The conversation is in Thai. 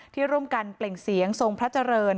ที่ร่วมกันเปล่งเสียงทรงพระเจริญ